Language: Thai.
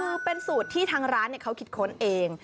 คือเป็นสูตรที่ทางร้านเขาคิดค้นเอง